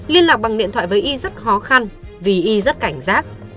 liên lạc bằng điện thoại với y rất khó khăn vì y rất cảnh giác